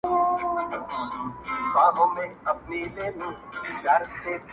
نو دده هغه خپلي خبرې نوړل کیږې